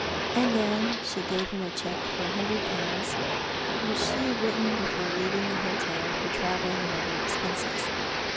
And then she gave him a cheque for a hundred pounds, which she had written before leaving the hotel, for travelling and other expenses.